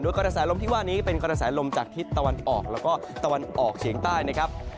กระแสลมที่ว่านี้เป็นกระแสลมจากทิศตะวันออกแล้วก็ตะวันออกเฉียงใต้นะครับ